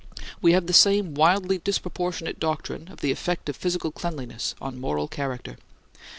We have the same wildly disproportionate doctrine of the effect of physical cleanliness on moral character.